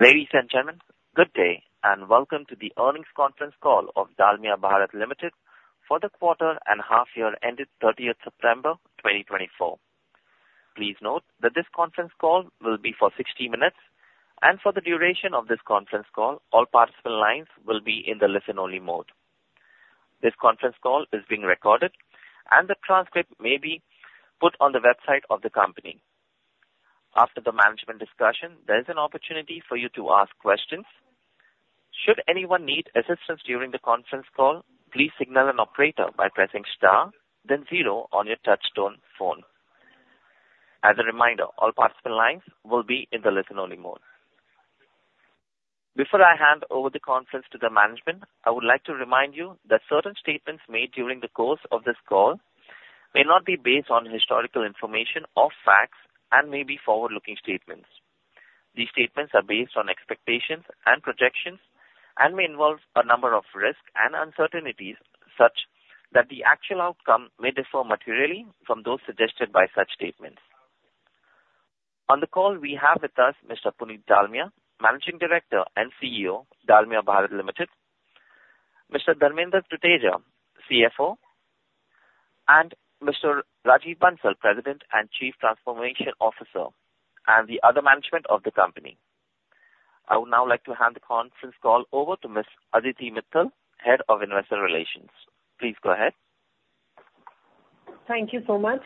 Ladies and gentlemen, good day, and welcome to the Earnings Conference Call of Dalmia Bharat Limited for the Quarter and Half Year ended 30th September 2024. Please note that this conference call will be for 60 minutes, and for the duration of this conference call, all participant lines will be in the listen-only mode. This conference call is being recorded, and the transcript may be put on the website of the company. After the management discussion, there is an opportunity for you to ask questions. Should anyone need assistance during the conference call, please signal an operator by pressing star then zero on your touchtone phone. As a reminder, all participant lines will be in the listen-only mode. Before I hand over the conference to the management, I would like to remind you that certain statements made during the course of this call may not be based on historical information or facts and may be forward-looking statements. These statements are based on expectations and projections and may involve a number of risks and uncertainties such that the actual outcome may differ materially from those suggested by such statements. On the call, we have with us Mr. Puneet Dalmia, Managing Director and CEO, Dalmia Bharat Limited, Mr. Dharmender Tuteja, CFO, and Mr. Rajiv Bansal, President and Chief Transformation Officer, and the other management of the company. I would now like to hand the conference call over to Ms. Aditi Mittal, Head of Investor Relations. Please go ahead. Thank you so much.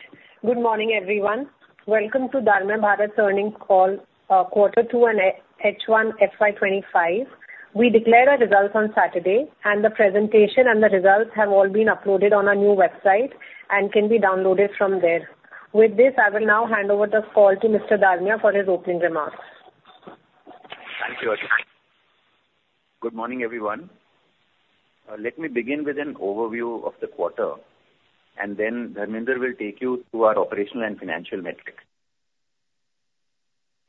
Good morning, everyone. Welcome to Dalmia Bharat's earnings call, Quarter two and H1 FY 2025. We declared our results on Saturday, and the presentation and the results have all been uploaded on our new website and can be downloaded from there. With this, I will now hand over the call to Mr. Dalmia for his opening remarks. Thank you, Aditi. Good morning, everyone. Let me begin with an overview of the quarter, and then Dharmender will take you through our operational and financial metrics.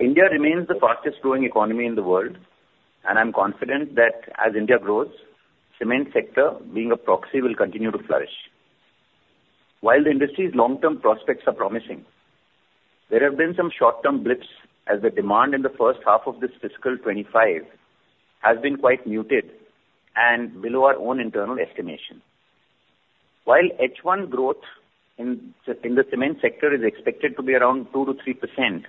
India remains the fastest growing economy in the world, and I'm confident that as India grows, cement sector, being a proxy, will continue to flourish. While the industry's long-term prospects are promising, there have been some short-term blips as the demand in the first half of this fiscal twenty-five has been quite muted and below our own internal estimation. While H1 growth in the cement sector is expected to be around 2-3%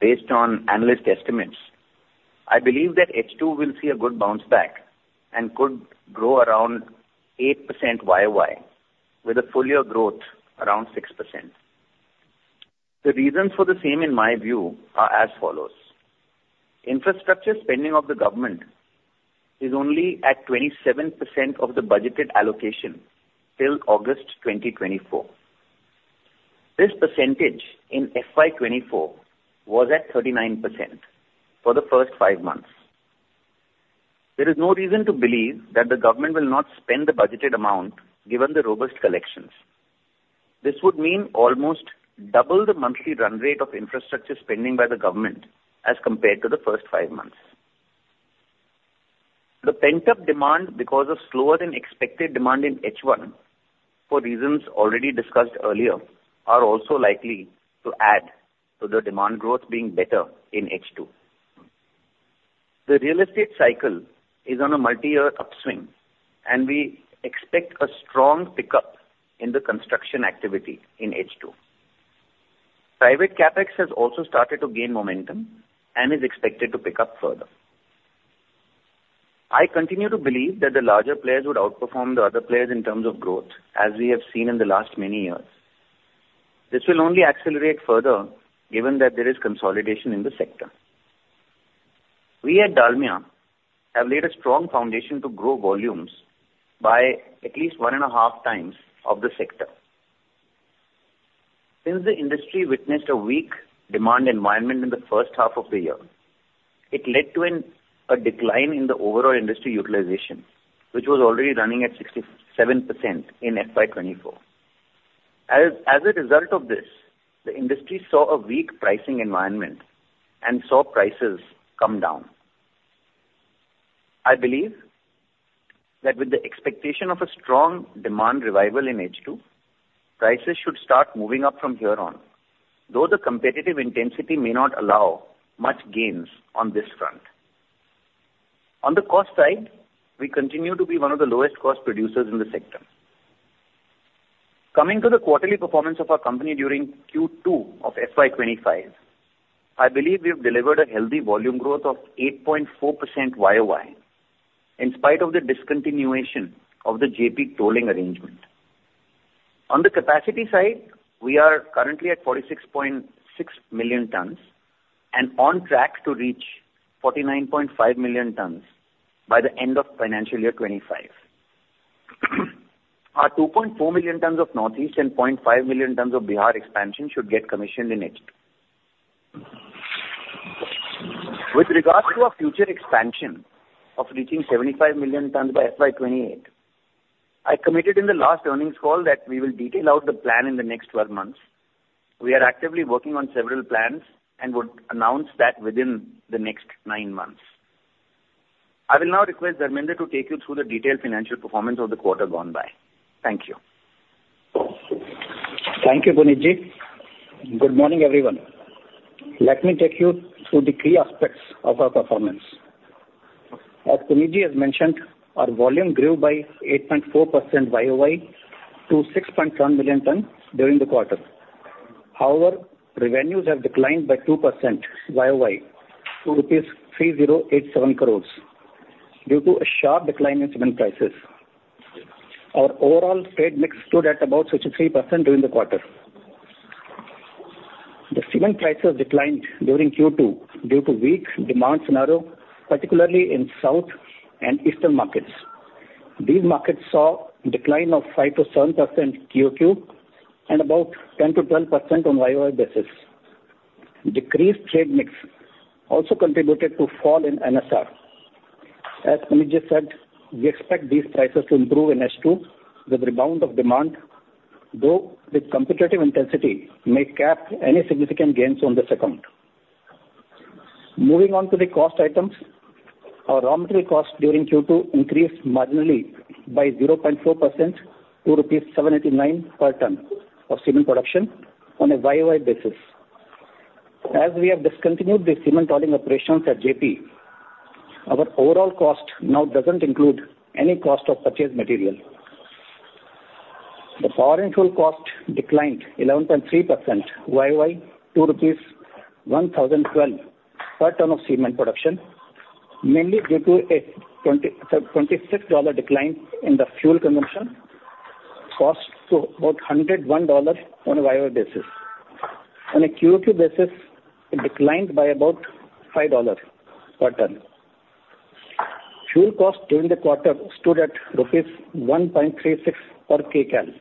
based on analyst estimates, I believe that H2 will see a good bounce back and could grow around 8% Y-O-Y, with a full year growth around 6%. The reasons for the same, in my view, are as follows: infrastructure spending of the government is only at 27% of the budgeted allocation till August 2024. This percentage in FY 2024 was at 39% for the first five months. There is no reason to believe that the government will not spend the budgeted amount given the robust collections. This would mean almost double the monthly run rate of infrastructure spending by the government as compared to the first five months. The pent-up demand because of slower than expected demand in H1, for reasons already discussed earlier, are also likely to add to the demand growth being better in H2. The real estate cycle is on a multi-year upswing, and we expect a strong pickup in the construction activity in H2. Private CapEx has also started to gain momentum and is expected to pick up further. I continue to believe that the larger players would outperform the other players in terms of growth, as we have seen in the last many years. This will only accelerate further given that there is consolidation in the sector. We at Dalmia have laid a strong foundation to grow volumes by at least one and a half times of the sector. Since the industry witnessed a weak demand environment in the first half of the year, it led to a decline in the overall industry utilization, which was already running at 67% in FY 2024. As a result of this, the industry saw a weak pricing environment and saw prices come down. I believe that with the expectation of a strong demand revival in H2, prices should start moving up from here on, though the competitive intensity may not allow much gains on this front. On the cost side, we continue to be one of the lowest cost producers in the sector. Coming to the quarterly performance of our company during Q2 of FY 2025, I believe we have delivered a healthy volume growth of 8.4% Y-O-Y, in spite of the discontinuation of the Jaypee tolling arrangement. On the capacity side, we are currently at 46.6 million tons and on track to reach 49.5 million tons by the end of financial year 2025. Our 2.4 million tons of Northeast and 0.5 million tons of Bihar expansion should get commissioned in H2. With regards to our future expansion of reaching 75 million tons by FY 2028, I committed in the last earnings call that we will detail out the plan in the next 12 months. We are actively working on several plans and would announce that within the next nine months. I will now request Dharmender to take you through the detailed financial performance of the quarter gone by. Thank you. Thank you, Puneet. Good morning, everyone. Let me take you through the key aspects of our performance. As Puneet has mentioned, our volume grew by 8.4% Y-O-Y to 6.1 million tons during the quarter. However, revenues have declined by 2% Y-O-Y, to rupees 3,087 crores, due to a sharp decline in cement prices. Our overall trade mix stood at about 63% during the quarter. The cement prices declined during Q2 due to weak demand scenario, particularly in South and Eastern markets. These markets saw a decline of 5%-7% Q-O-Q, and about 10%-12% on Y-O-Y basis. Decreased trade mix also contributed to fall in NSR. As Puneet said, we expect these prices to improve in H2 with rebound of demand, though the competitive intensity may cap any significant gains on this account. Moving on to the cost items, our raw material cost during Q2 increased marginally by 0.4%, to rupees 789 per ton of cement production on a Y-O-Y basis. As we have discontinued the cement mining operations at JP, our overall cost now doesn't include any cost of purchased material. The power and fuel cost declined 11.3% Y-O-Y, to 1,012 per ton of cement production, mainly due to a twenty-six dollar decline in the fuel consumption cost, to about $101 on a Y-O-Y basis. On a Q-O-Q basis, it declined by about $5 per ton. Fuel cost during the quarter stood at rupees 1.36 per kcal.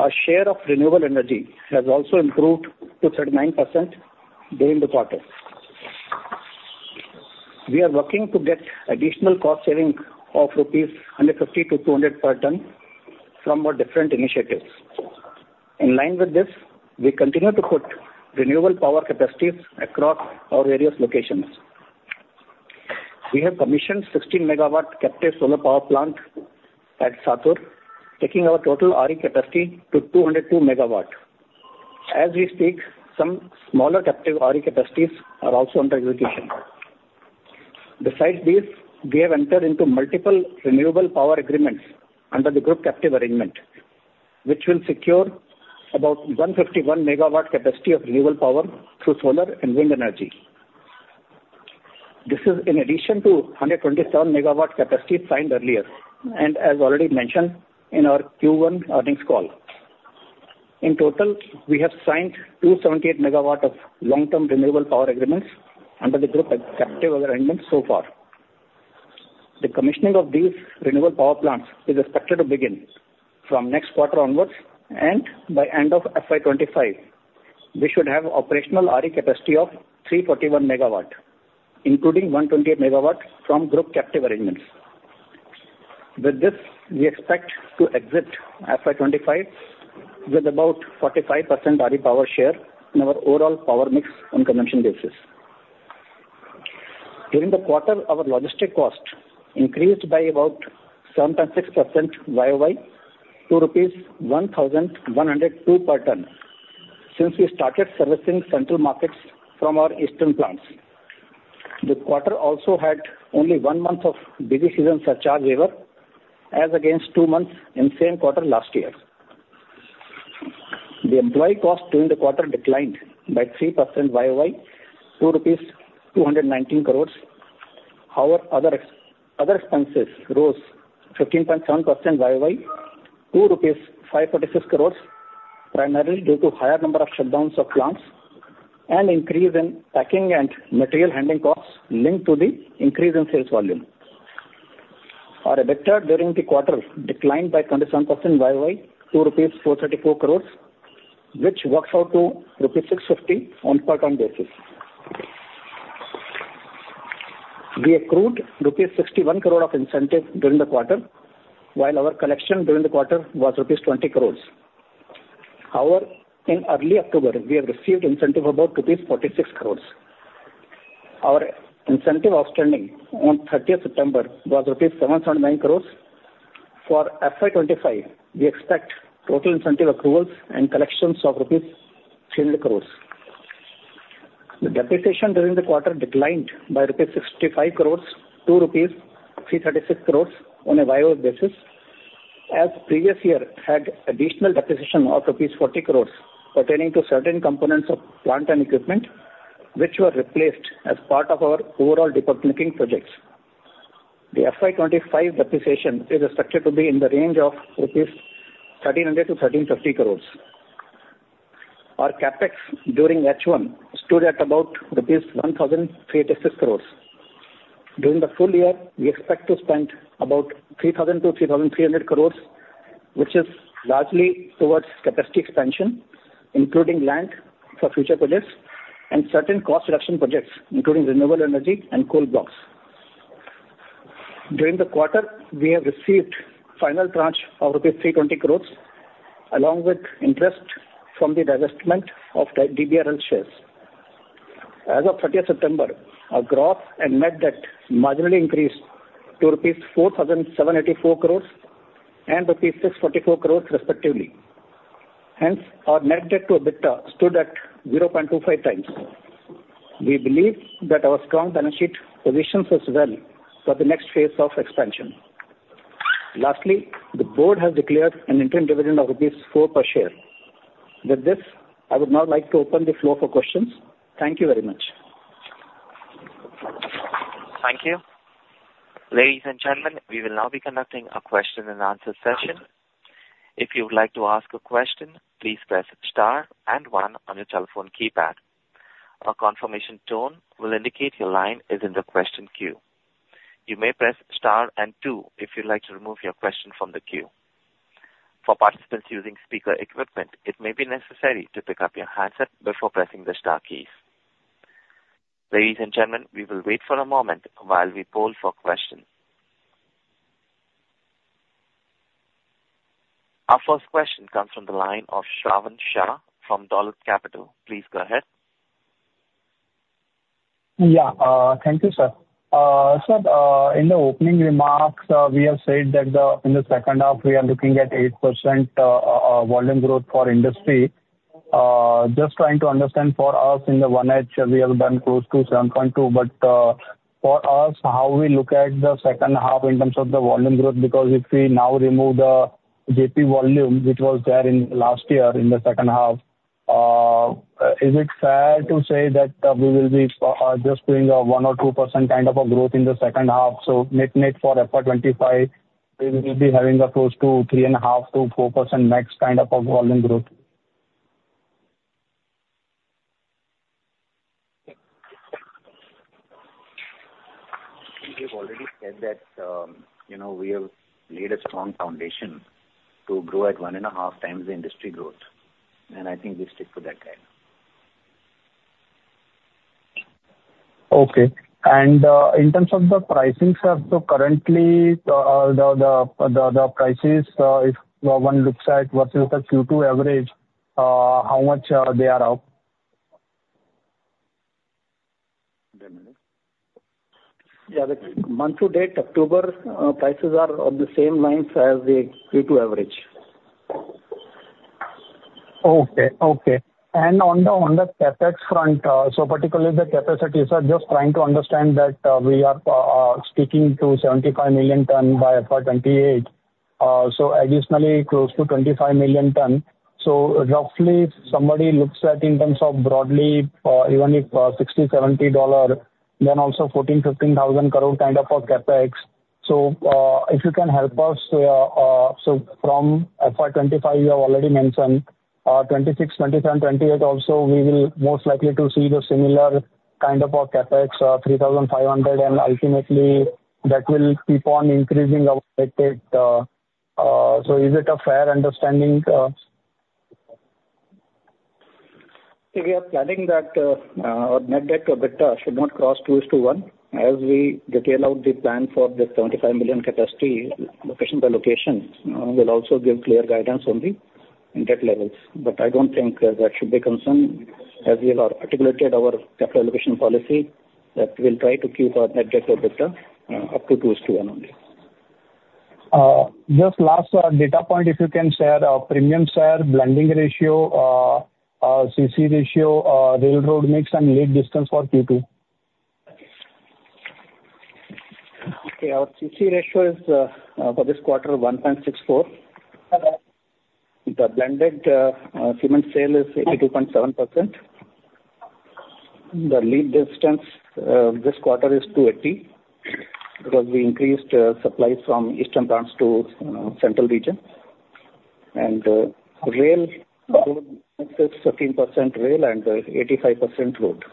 Our share of renewable energy has also improved to 39% during the quarter. We are working to get additional cost saving of 150-200 rupees per ton from our different initiatives. In line with this, we continue to put renewable power capacities across our various locations. We have commissioned 16-megawatt captive solar power plant at Sattur, taking our total RE capacity to 202 megawatt. As we speak, some smaller captive RE capacities are also under execution. Besides these, we have entered into multiple renewable power agreements under the group captive arrangement, which will secure about 151 MW capacity of renewable power through solar and wind energy. This is in addition to 127 MW capacity signed earlier, and as already mentioned in our Q1 earnings call. In total, we have signed 278 MW of long-term renewable power agreements under the group captive arrangements so far. The commissioning of these renewable power plants is expected to begin from next quarter onwards, and by end of FY 2025, we should have operational RE capacity of 341 MW, including 128 MW from group captive arrangements. With this, we expect to exit FY 2025 with about 45% RE power share in our overall power mix on consumption basis. During the quarter, our logistics cost increased by about 7.6% YOY, to INR 1,102 per ton, since we started servicing central markets from our eastern plants. The quarter also had only one month of busy season surcharge waiver, as against two months in the same quarter last year. The employee cost during the quarter declined by 3% Y-O-Y, to 219 crore. However, other expenses rose 15.7% YOY, to 546 crores, primarily due to higher number of shutdowns of plants and increase in packing and material handling costs linked to the increase in sales volume. Our EBITDA during the quarter declined by 27% YOY, to 434 crores rupees, which works out to 650 rupees on per ton basis. We accrued 61 crore rupees of incentive during the quarter, while our collection during the quarter was 20 crores rupees. However, in early October, we have received incentive about 46 crores rupees. Our incentive outstanding on 30th September was rupees 709 crores. For FY 2025, we expect total incentive approvals and collections of rupees 300 crores. The depreciation during the quarter declined by rupees 65 crores to rupees 336 crores on a YoY basis, as previous year had additional depreciation of rupees 40 crores pertaining to certain components of plant and equipment, which were replaced as part of our overall de-bottlenecking projects. The FY 2025 depreciation is expected to be in the range of INR 1,300-INR 1,350 crores. Our CapEx during H1 stood at about INR 1,386 crores. During the full year, we expect to spend about INR 3,000-INR 3,300 crores, which is largely towards capacity expansion, including land for future projects and certain cost reduction projects, including renewable energy and coal blocks. During the quarter, we have received final tranche of rupees 320 crores, along with interest from the divestment of the DBRL shares. As of 30th September, our gross and net debt marginally increased to rupees 4,784 crores and rupees 644 crores respectively. Hence, our net debt to EBITDA stood at 0.25 times. We believe that our strong balance sheet positions us well for the next phase of expansion. Lastly, the board has declared an interim dividend of rupees 4 per share. With this, I would now like to open the floor for questions. Thank you very much. Thank you. Ladies and gentlemen, we will now be conducting a question and answer session. If you would like to ask a question, please press star and one on your telephone keypad. A confirmation tone will indicate your line is in the question queue. You may press star and two if you'd like to remove your question from the queue. For participants using speaker equipment, it may be necessary to pick up your handset before pressing the star key. Ladies and gentlemen, we will wait for a moment while we poll for questions. Our first question comes from the line of Shravan Shah from Dolat Capital. Please go ahead. Yeah, thank you, sir. So, in the opening remarks, we have said that in the second half, we are looking at 8% volume growth for industry. Just trying to understand for us in the 1H, we have done close to 7.2%, but for us, how we look at the second half in terms of the volume growth? Because if we now remove the JP volume, which was there in last year, in the second half, is it fair to say that we will be just doing a 1% or 2% kind of a growth in the second half, so net-net for FY 2025, we will be having a close to 3.5%-4% max kind of a volume growth? We have already said that, you know, we have laid a strong foundation to grow at one and a half times the industry growth, and I think we stick to that guide. Okay. In terms of the pricing, sir, so currently, the prices, if one looks at versus the Q2 average, how much they are up? Yeah, the month to date, October, prices are on the same lines as the Q2 average. Okay. On the CapEx front, so particularly the capacity, sir, just trying to understand that, we are speaking to 75 million ton by FY 2028. So additionally close to 25 million ton. So roughly, if somebody looks at in terms of broadly, even if $60-$70, then also 14,000-15,000 crore kind of a CapEx. So if you can help us, so from FY 2025, you have already mentioned, 2026, 2027, 2028 also, we will most likely to see the similar kind of a CapEx, 3,500, and ultimately that will keep on increasing our debt rate. So is it a fair understanding? We are planning that our net debt to EBITDA should not cross 2:1. As we detail out the plan for this 75 million capacity, location by location, we'll also give clear guidance on the debt levels. But I don't think that should be a concern, as we have articulated our capital allocation policy, that we'll try to keep our net debt to EBITDA up to 2:1 only. Just last data point, if you can share premium share, blending ratio, CC ratio, railroad mix, and lead distance for Q2? Okay. Our CC ratio is for this quarter, 1.64. Okay. The blended cement sale is 82.7%. The lead distance this quarter is 280, because we increased supplies from eastern plants to central region, and rail is 13% and 85% road.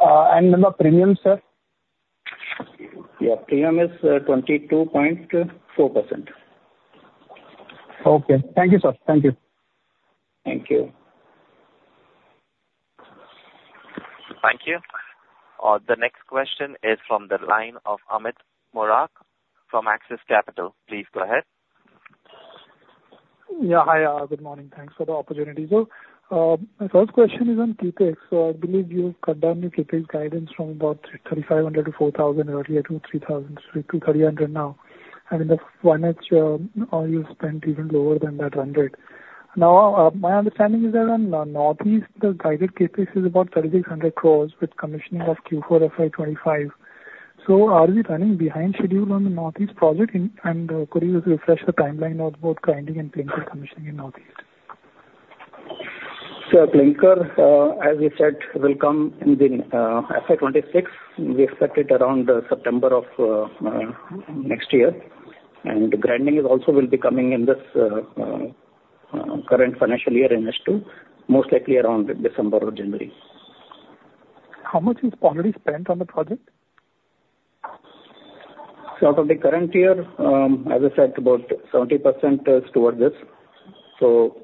And the premium, sir? Yeah. Premium is 22.4%. Okay. Thank you, sir. Thank you. Thank you. Thank you. The next question is from the line of Amit Muraka from Axis Capital. Please go ahead. Yeah. Hi, good morning. Thanks for the opportunity. My first question is on CapEx. So I believe you've cut down the CapEx guidance from about 3,350-4,000 earlier, to 3,000-3,300 now, and in the 1H, you spent even lower than 100. Now, my understanding is that on Northeast, the guided CapEx is about 3,600 crores with commissioning of Q4 FY 2025. So are we running behind schedule on the Northeast project? And could you just refresh the timeline of both grinding and clinker commissioning in Northeast? So clinker, as we said, will come in the FY 2026. We expect it around next year. And the grinding is also will be coming in this current financial year in H2, most likely around December or January. How much is already spent on the project? So out of the current year, as I said, about 70% is towards this. So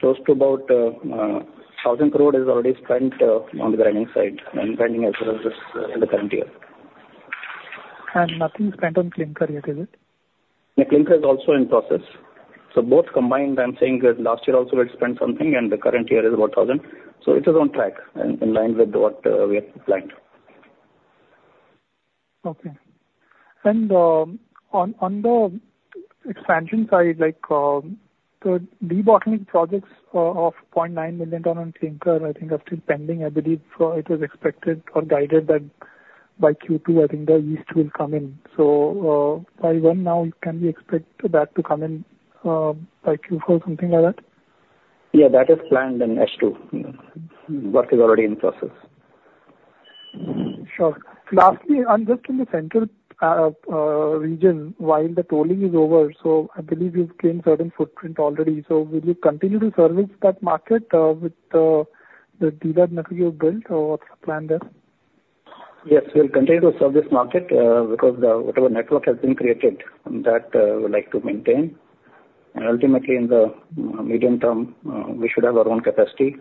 close to about 1,000 crore is already spent on the grinding side, and grinding as well as this in the current year.... And nothing spent on clinker yet, is it? The clinker is also in process. So both combined, I'm saying that last year also we had spent something, and the current year is about thousand. So it is on track, in line with what we had planned. Okay. And on the expansion side, like, the debottlenecking projects of 0.9 million ton on clinker, I think are still pending. I believe so it was expected or guided that by Q2, I think these will come in. So by when now can we expect that to come in, by Q4, something like that? Yeah, that is planned in H2. Work is already in process. Sure. Lastly, on just in the central region, while the tolling is over, so I believe you've gained certain footprint already. So will you continue to service that market, with the dealer network you've built, or what's the plan there? Yes, we'll continue to serve this market, because whatever network has been created, that we would like to maintain, and ultimately, in the medium term, we should have our own capacity,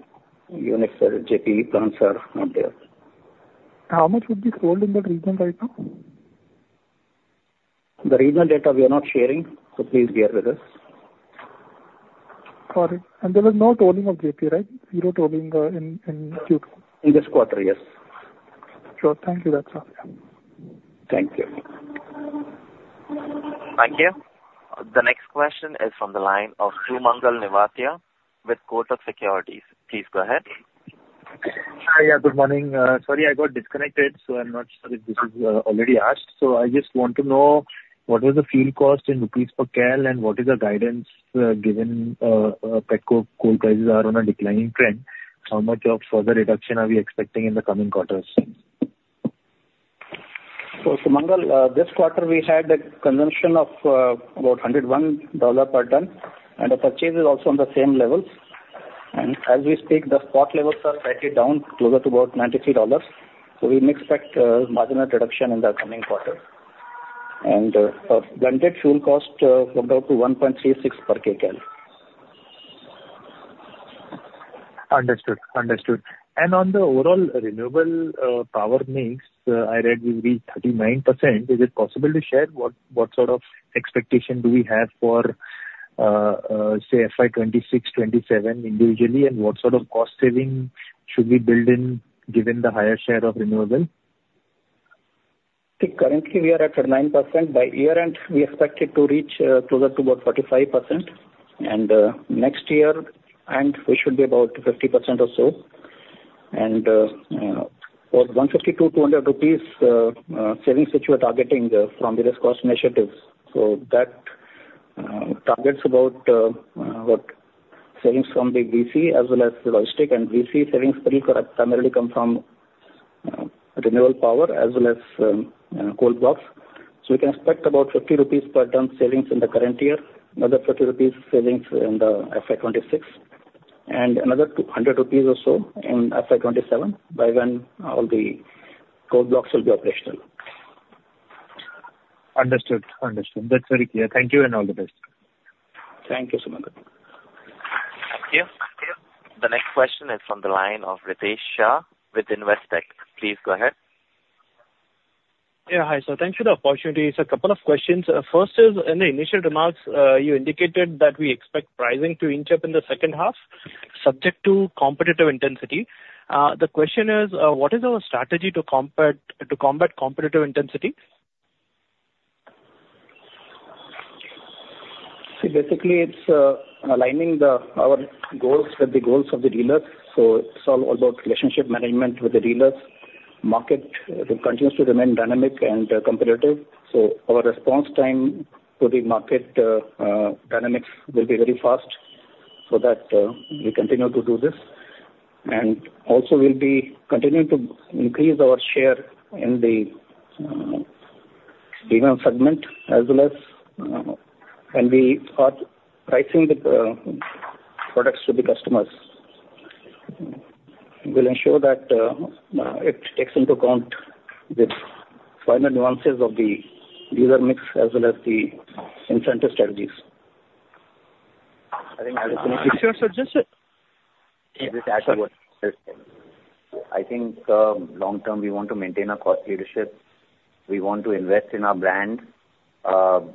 even if the JPE plants are not there. How much would be sold in that region right now? The regional data we are not sharing, so please bear with us. Got it and there is no tolling of JPE, right? Zero tolling in Q2. In this quarter, yes. Sure. Thank you. That's all. Thank you. Thank you. The next question is from the line of Sumangal Nevatia, with Kotak Securities. Please go ahead. Hi, yeah, good morning. Sorry, I got disconnected, so I'm not sure if this is already asked. So I just want to know, what is the fuel cost in rupees per KL, and what is the guidance, given pet coke coal prices are on a declining trend, how much of further reduction are we expecting in the coming quarters? So, Sumangal, this quarter we had a consumption of about $101 per ton, and the purchase is also on the same levels. And as we speak, the spot levels are slightly down, closer to about $93. So we may expect marginal reduction in the upcoming quarter. And blended fuel cost came down to 1.36 per KL. Understood. Understood. And on the overall renewable power mix, I read will be 39%. Is it possible to share what sort of expectation do we have for, say, FY 2026, 2027 individually, and what sort of cost saving should we build in, given the higher share of renewable? Currently, we are at 39%. By year-end, we expect it to reach closer to about 45%, and for 150 to 200 rupees savings which we're targeting from various cost initiatives, so that targets about savings from the uncertain as well as logistics and uncertain savings will primarily come from renewable power as well as coal blocks, so we can expect about 50 rupees per ton savings in the current year, another 50 rupees savings in the FY 2026, and another 200 rupees or so in FY 2027, by when all the coal blocks will be operational. Understood. Understood. That's very clear. Thank you, and all the best. Thank you, Sumangal. Thank you. The next question is from the line of Ritesh Shah with Investec. Please go ahead. Yeah. Hi, sir. Thank you for the opportunity. So a couple of questions. First is, in the initial remarks, you indicated that we expect pricing to inch up in the second half, subject to competitive intensity. The question is, what is our strategy to combat competitive intensity? See, basically, it's aligning our goals with the goals of the dealer. So it's all about relationship management with the dealers. Market continues to remain dynamic and competitive, so our response time to the market dynamics will be very fast, so that we continue to do this. And also we'll be continuing to increase our share in the dealer segment, as well as when we are pricing the products to the customers, we'll ensure that it takes into account the finer nuances of the dealer mix as well as the incentive strategies. I think- What's your suggestion? I think, long term, we want to maintain our cost leadership, we want to invest in our brand,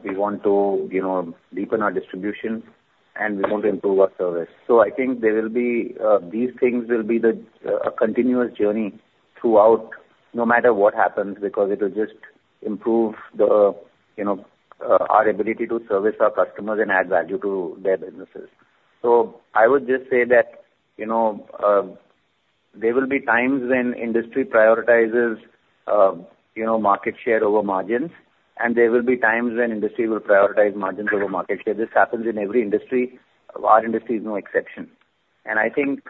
we want to, you know, deepen our distribution, and we want to improve our service. So I think there will be, these things will be the, a continuous journey throughout, no matter what happens, because it will just improve the, you know, our ability to service our customers and add value to their businesses. So I would just say that, you know, there will be times when industry prioritizes, you know, market share over margins, and there will be times when industry will prioritize margins over market share. This happens in every industry. Our industry is no exception. And I think,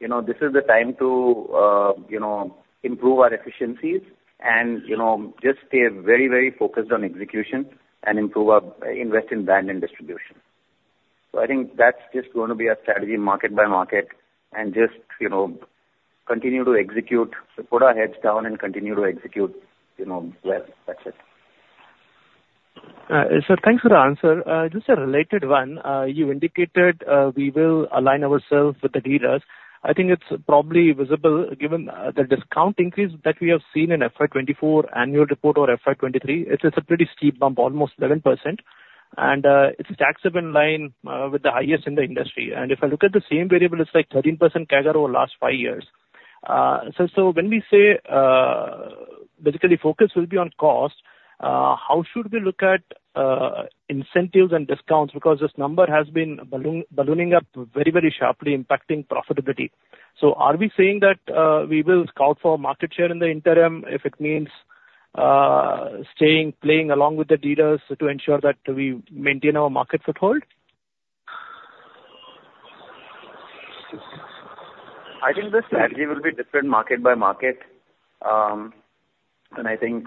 you know, this is the time to, you know, improve our efficiencies and, you know, just stay very, very focused on execution and improve our investment in brand and distribution. So I think that's just going to be our strategy, market by market, and just, you know, continue to execute. So put our heads down and continue to execute, you know, well. That's it. Sir, thanks for the answer. Just a related one. You indicated, we will align ourselves with the dealers. I think it's probably visible, given the discount increase that we have seen in FY 2024 annual report or FY 2023. It's a pretty steep bump, almost 11%. And it's taken up in line with the highest in the industry. And if I look at the same variable, it's like 13% CAGR over the last five years. So when we say basically focus will be on cost, how should we look at incentives and discounts? Because this number has been ballooning up very, very sharply, impacting profitability. So are we saying that, we will scout for market share in the interim if it means, staying, playing along with the dealers to ensure that we maintain our market foothold? I think the strategy will be different market by market, and I think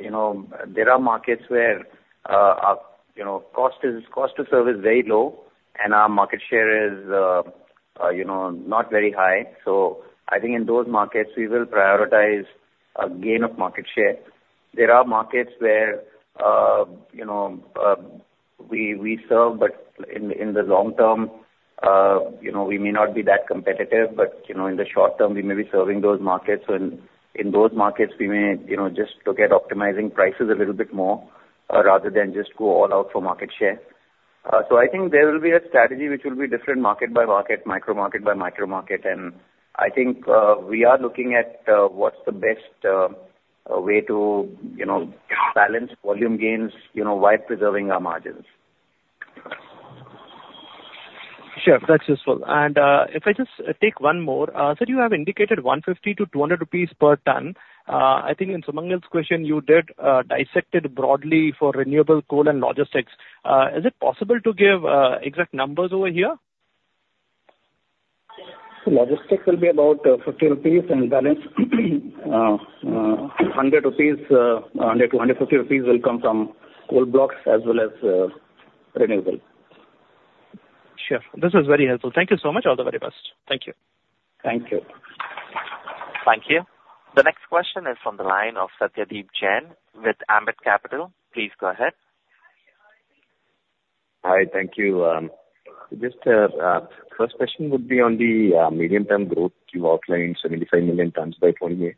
you know there are markets where our you know cost to serve is very low and our market share is you know not very high. So I think in those markets, we will prioritize a gain of market share. There are markets where you know we serve, but in the long term you know we may not be that competitive, but you know in the short term we may be serving those markets. So in those markets we may you know just look at optimizing prices a little bit more rather than just go all out for market share. So I think there will be a strategy which will be different market by market, micro market by micro market. And I think we are looking at what's the best way to, you know, balance volume gains, you know, while preserving our margins. Sure, that's useful, and if I just take one more. Sir, you have indicated 150-200 rupees per ton. I think in Sumangal's question, you did dissect it broadly for renewable coal and logistics. Is it possible to give exact numbers over here? Logistics will be about 50 rupees, and balance 100 rupees, 100-150 rupees will come from coal blocks as well as renewable. Sure. This is very helpful. Thank you so much. All the very best. Thank you. Thank you. Thank you. The next question is from the line of Satyadeep Jain with Ambit Capital. Please go ahead. Hi, thank you. Just, first question would be on the medium-term growth. You outlined 75 million tons by 2028.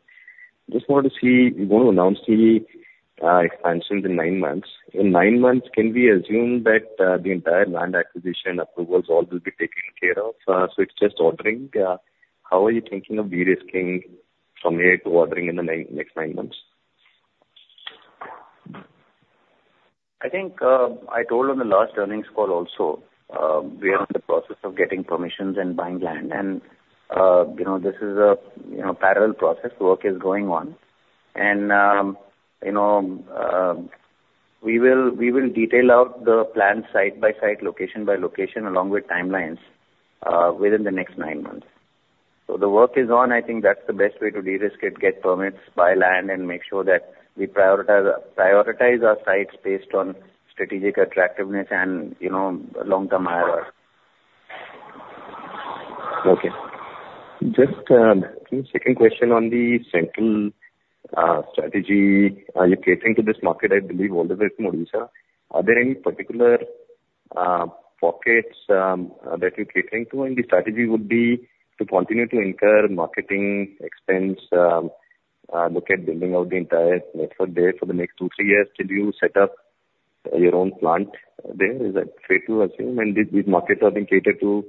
Just want to see, you're going to announce the expansions in nine months. In nine months, can we assume that the entire land acquisition approvals all will be taken care of, so it's just ordering? How are you thinking of de-risking from here to ordering in the next nine months? I think, I told on the last earnings call also, we are in the process of getting permissions and buying land. And, you know, this is a, you know, parallel process. Work is going on. And, you know, we will detail out the plan site by site, location by location, along with timelines, within the next nine months. So the work is on. I think that's the best way to de-risk it, get permits, buy land, and make sure that we prioritize our sites based on strategic attractiveness and, you know, long-term IR. Okay. Just second question on the central strategy. You're catering to this market, I believe, all the way from Odisha. Are there any particular pockets that you're catering to? And the strategy would be to continue to incur marketing expense, look at building out the entire network there for the next two, three years till you set up your own plant there. Is that fair to assume? And these markets are being catered to,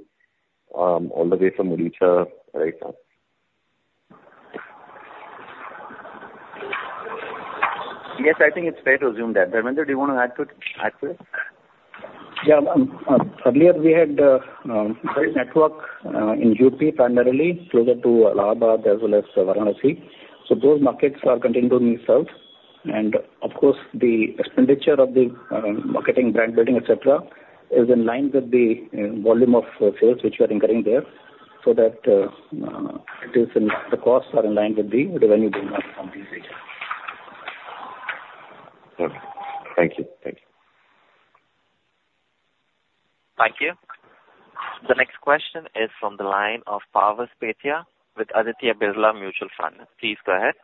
all the way from Odisha right now. Yes, I think it's fair to assume that. Dharmender, do you want to add to it? Yeah. Earlier we had great network in UP, primarily closer to Allahabad as well as Varanasi. So those markets are continuing to be served. And of course, the expenditure of the marketing, brand building, et cetera, is in line with the volume of sales which we are incurring there, so that it is, the costs are in line with the revenue we make from these areas. Okay. Thank you. Thank you. Thank you. The next question is from the line of Pavas Pethia with Aditya Birla Mutual Fund. Please go ahead.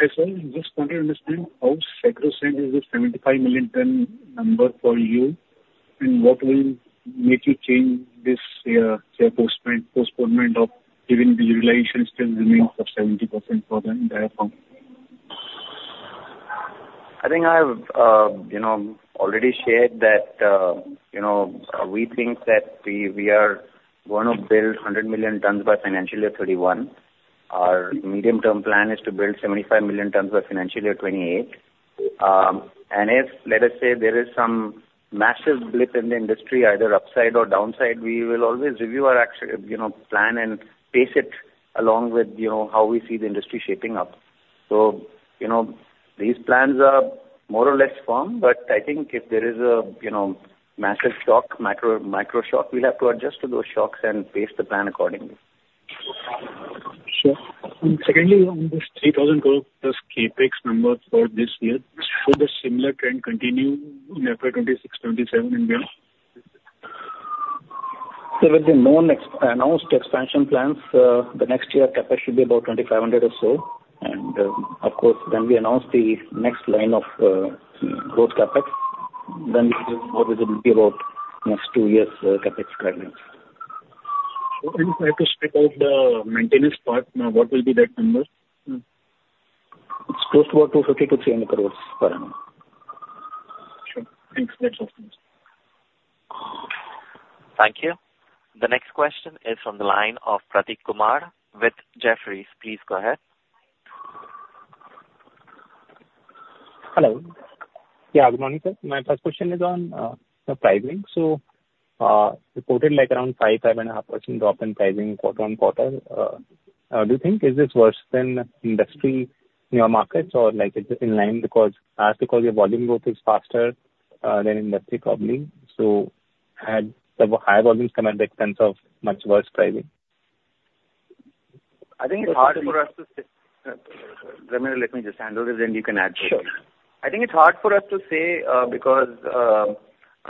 Hi, sir. Just want to understand how sacrosanct is the 75 million ton number for you, and what will make you change this postponement of giving the realization still remains of 70% for the entire fund? I think I've you know already shared that you know we think that we are gonna build 100 million tons by financial year 2031. Our medium-term plan is to build 75 million tons by financial year 2028, and if let us say there is some massive blip in the industry either upside or downside we will always review our you know plan and pace it along with you know how we see the industry shaping up, so you know these plans are more or less firm, but I think if there is a you know massive shock micro shock we'll have to adjust to those shocks and pace the plan accordingly. Sure. And secondly, on this 3,000 crore plus CapEx number for this year, will the similar trend continue in FY 2026, 2027 and beyond? So with the known announced expansion plans, the next year CapEx should be about twenty-five hundred or so. And, of course, when we announce the next line of growth CapEx, then we give more visibility about next two years' CapEx guidance. So if I have to strip out the maintenance part, now what will be that number? It's close to about 250-300 crores per annum. Sure. Thanks. That's all. Thank you. The next question is from the line of Prateek Kumar with Jefferies. Please go ahead. Hello. Yeah, good morning, sir. My first question is on the pricing. So, you reported like around 5-5.5% drop in pricing quarter on quarter. Do you think is this worse than industry in your markets or like is it in line? Because your volume growth is faster than industry probably, so had the higher volumes come at the expense of much worse pricing? I think it's hard for us to say... Raminder, let me just handle this, and you can add to it. Sure. I think it's hard for us to say, because,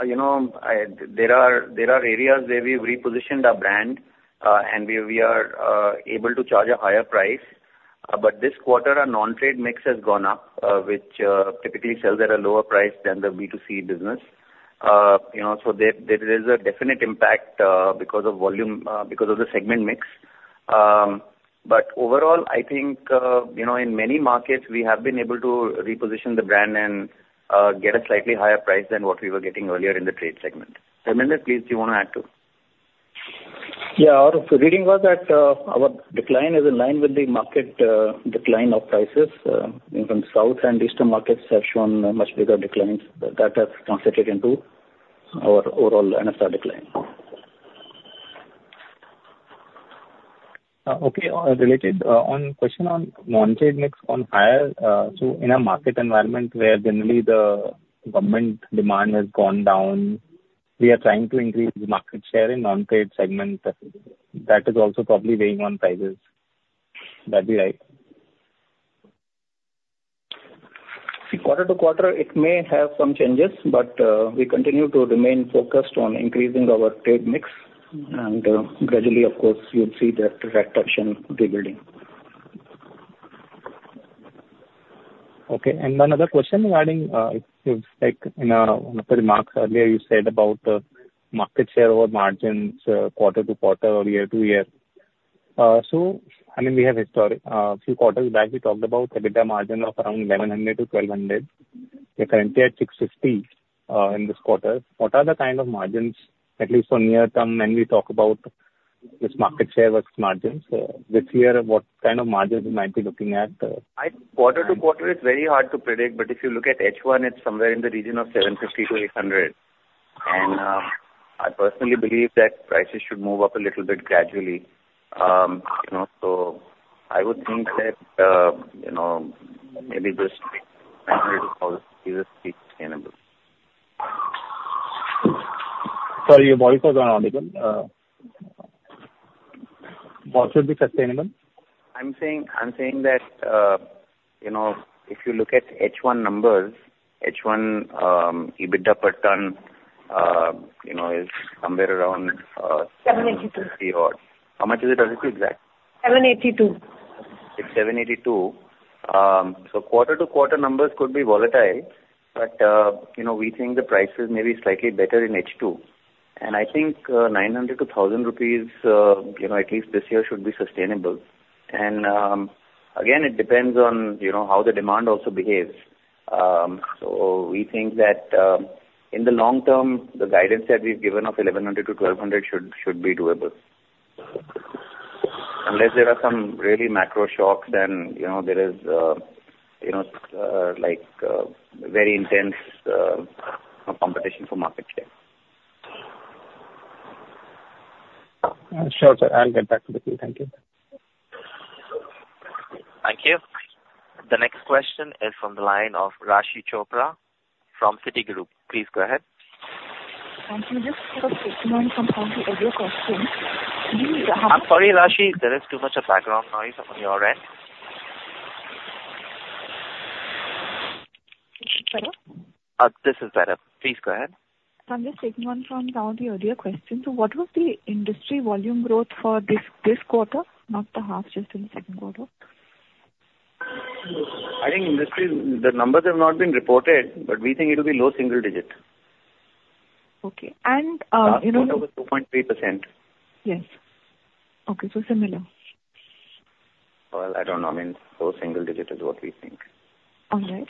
you know, I, there are areas where we've repositioned our brand, and where we are able to charge a higher price. But this quarter, our non-trade mix has gone up, which typically sells at a lower price than the B2C business. You know, so there is a definite impact, because of volume, because of the segment mix. But overall, I think, you know, in many markets, we have been able to reposition the brand and get a slightly higher price than what we were getting earlier in the trade segment. Dharmender, please, do you want to add to? Yeah. Our reading was that, our decline is in line with the market, decline of prices. Even South and Eastern markets have shown much bigger declines that have translated into our overall decline. Okay. Related question on non-trade mix on higher, so in a market environment where generally the government demand has gone down, we are trying to increase market share in non-trade segment. That is also probably weighing on prices. That'd be right? Quarter to quarter, it may have some changes, but we continue to remain focused on increasing our trade mix. And, gradually, of course, you'll see that reduction rebuilding. Okay. And another question regarding is like in your remarks earlier, you said about the market share or margins quarter to quarter or year to year. So I mean, we have historic a few quarters back, we talked about EBITDA margin of around 11 hundred-12 hundred. We're currently at 650 in this quarter. What are the kind of margins, at least for near term, when we talk about this market share versus margins? This year, what kind of margins we might be looking at, From quarter to quarter, it's very hard to predict, but if you look at H1, it's somewhere in the region of 750-800. And I personally believe that prices should move up a little bit gradually. You know, so I would think that, you know, maybe this is sustainable. Sorry, your voice was inaudible. What should be sustainable? I'm saying that, you know, if you look at H1 numbers, EBITDA per ton, you know, is somewhere around... 782. How much is it, exactly? 782. It's INR 782. Quarter-to-quarter numbers could be volatile, but, you know, we think the prices may be slightly better in H2. And I think, nine hundred to thousand rupees, you know, at least this year, should be sustainable. And, again, it depends on, you know, how the demand also behaves. So we think that, in the long term, the guidance that we've given of 11 hundred-12 hundred should be doable. Unless there are some really macro shocks then, you know, there is, you know, like, very intense, competition for market share. Sure, sir, I'll get back to the team. Thank you. Thank you. The next question is from the line of Raashi Chopra from Citigroup. Please go ahead. Thank you. Just taking on from some of the earlier questions. Do you- I'm sorry, Raashi, there is too much of background noise on your end. Better? This is better. Please go ahead. I'm just taking on from one of the earlier questions. So what was the industry volume growth for this quarter? Not the half, just in the second quarter. I think industry, the numbers have not been reported, but we think it will be low single digit. Okay. And, you know- 0.3%. Yes. Okay, so similar. I don't know. I mean, low single digit is what we think. All right.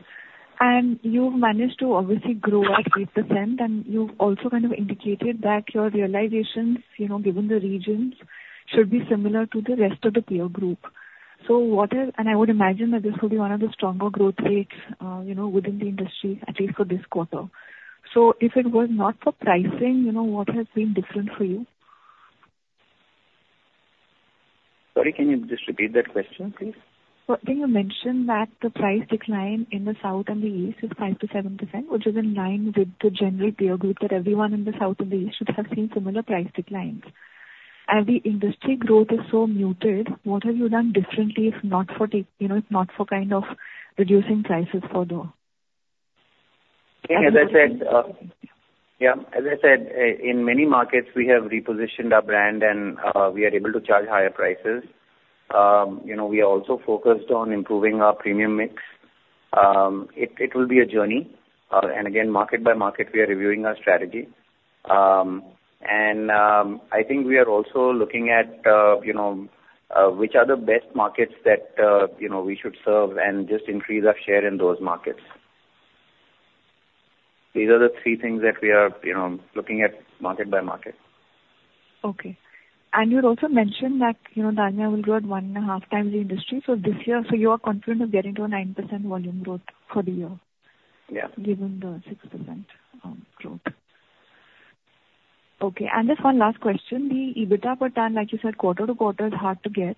And you've managed to obviously grow at 8%, and you've also kind of indicated that your realizations, you know, given the regions, should be similar to the rest of the peer group. So what are... And I would imagine that this will be one of the stronger growth rates, you know, within the industry, at least for this quarter. So if it was not for pricing, you know, what has been different for you? Sorry, can you just repeat that question, please? Can you mention that the price decline in the South and the East is 5%-7%, which is in line with the general peer group, that everyone in the south and the East should have seen similar price declines. As the industry growth is so muted, what have you done differently, if not for you know, if not for kind of reducing prices for the? Yeah, as I said, yeah, as I said, in many markets we have repositioned our brand and we are able to charge higher prices. You know, we are also focused on improving our premium mix. It will be a journey, and again, market by market, we are reviewing our strategy, and I think we are also looking at, you know, which are the best markets that, you know, we should serve and just increase our share in those markets. These are the three things that we are, you know, looking at market by market. Okay. And you had also mentioned that, you know, Dalmia will grow at one and a half times the industry. So this year, so you are confident of getting to a 9% volume growth for the year? Yeah. Given the 6% growth. Okay, and just one last question, the EBITDA per ton, like you said, quarter to quarter is hard to get.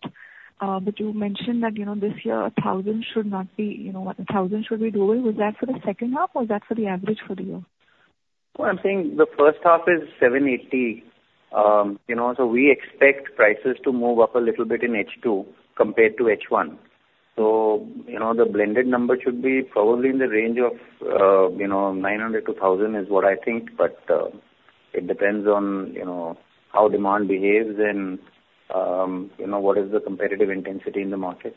But you mentioned that, you know, this year, a thousand should not be, you know, a thousand should be doable. Was that for the second half, or is that for the average for the year? I'm saying the first half is 780. You know, so we expect prices to move up a little bit in H2 compared to H1. So, you know, the blended number should be probably in the range of, you know, 900-1,000 is what I think. But, it depends on, you know, how demand behaves and, you know, what is the competitive intensity in the market.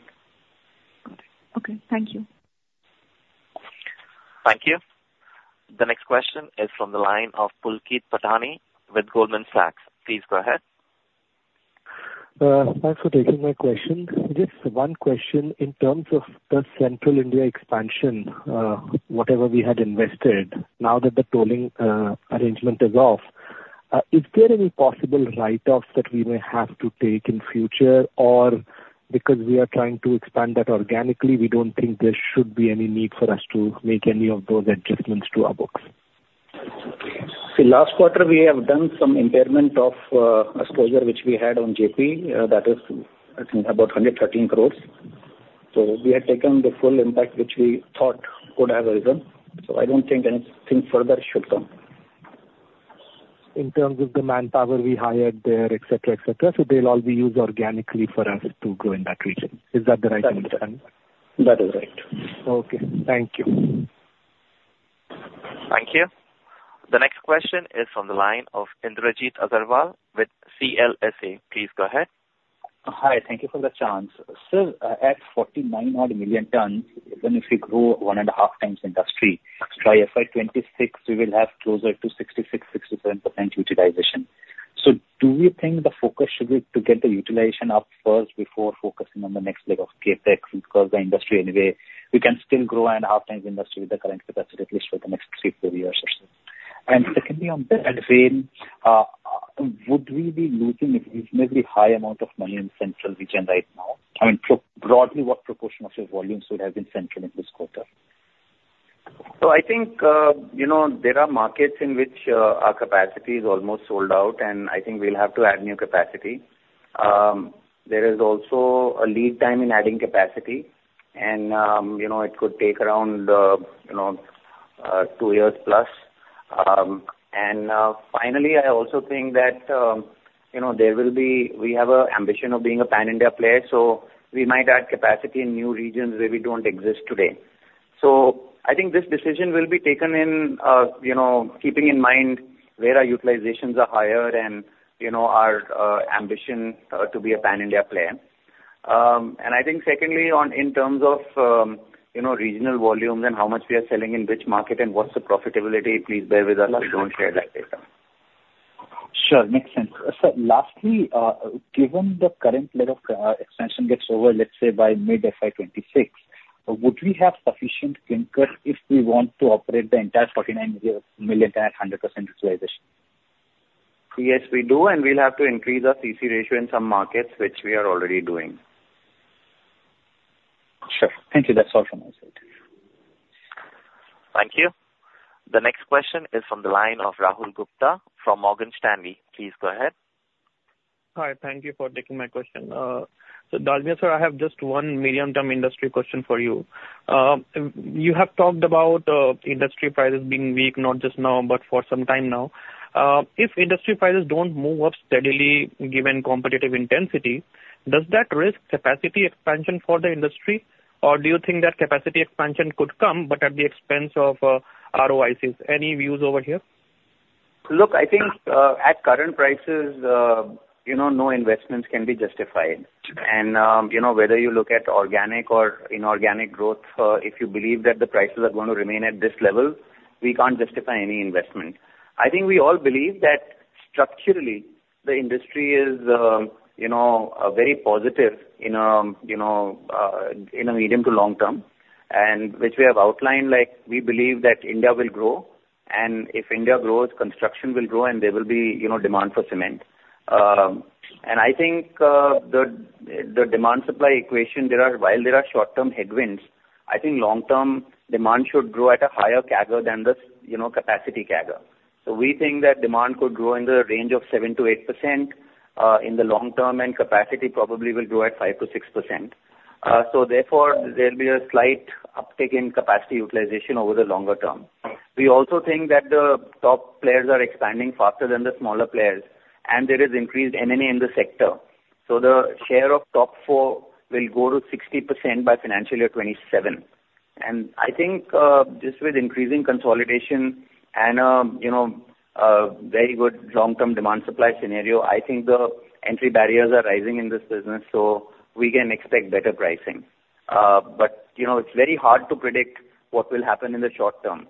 Got it. Okay. Thank you. Thank you. The next question is from the line of Pulkit Patni with Goldman Sachs. Please go ahead. Thanks for taking my question. Just one question. In terms of the Central India expansion, whatever we had invested, now that the tolling arrangement is off, is there any possible write-offs that we may have to take in future? Or because we are trying to expand that organically, we don't think there should be any need for us to make any of those adjustments to our books? See, last quarter we have done some impairment of, exposure which we had on JP. That is, I think, about 113 crores. So we had taken the full impact, which we thought would have arisen. So I don't think anything further should come. In terms of the manpower we hired there, et cetera, et cetera, so they'll all be used organically for us to grow in that region. Is that the right understanding? That is right. Okay, thank you. Thank you. The next question is from the line of Indrajit Agarwal with CLSA. Please go ahead. Hi, thank you for the chance. Sir, at 49 odd million tons, even if we grow one and a half times industry, by FY 2026, we will have closer to 66%-67% utilization. So do you think the focus should be to get the utilization up first before focusing on the next leg of CapEx? Because the industry anyway, we can still grow and a half times industry with the current capacity, at least for the next 3-4 years or so. And secondly, on that vein, would we be losing a reasonably high amount of money in central region right now? I mean, so broadly, what proportion of your volumes would have been central in this quarter? So I think, you know, there are markets in which, our capacity is almost sold out, and I think we'll have to add new capacity. There is also a lead time in adding capacity, and, you know, it could take around, you know, two years plus. And, finally, I also think that, you know, there will be... We have a ambition of being a pan-India player, so we might add capacity in new regions where we don't exist today. So I think this decision will be taken in, you know, keeping in mind where our utilizations are higher and, you know, our, ambition, to be a pan-India player. And I think secondly, on, in terms of, you know, regional volumes and how much we are selling in which market and what's the profitability, please bear with us. We don't share that data. Sure, makes sense. Sir, lastly, given the current rate of expansion gets over, let's say, by mid-FY 2026, would we have sufficient clinker if we want to operate the entire 49 million at 100% utilization? Yes, we do, and we'll have to increase our CC ratio in some markets, which we are already doing. Sure. Thank you. That's all from my side. Thank you. The next question is from the line of Rahul Gupta from Morgan Stanley. Please go ahead. Hi, thank you for taking my question. So Dalmia, sir, I have just one medium-term industry question for you. You have talked about industry prices being weak, not just now, but for some time now. If industry prices don't move up steadily, given competitive intensity, does that risk capacity expansion for the industry? Or do you think that capacity expansion could come, but at the expense of ROICs? Any views over here? Look, I think at current prices, you know, no investments can be justified, and you know, whether you look at organic or inorganic growth, if you believe that the prices are going to remain at this level, we can't justify any investment. I think we all believe that structurally, the industry is, you know, very positive in, you know, in a medium to long term, and which we have outlined, like, we believe that India will grow, and if India grows, construction will grow, and there will be, you know, demand for cement, and I think the demand-supply equation. There are, while there are short-term headwinds, I think long-term demand should grow at a higher CAGR than the, you know, capacity CAGR. So we think that demand could grow in the range of 7%-8% in the long term, and capacity probably will grow at 5%-6%. So therefore, there'll be a slight uptick in capacity utilization over the longer term. We also think that the top players are expanding faster than the smaller players, and there is increased M&A in the sector. So the share of top four will go to 60% by financial year 2027. And I think, just with increasing consolidation and, you know, a very good long-term demand supply scenario, I think the entry barriers are rising in this business, so we can expect better pricing. But, you know, it's very hard to predict what will happen in the short term.